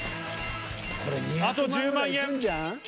あと１０万円。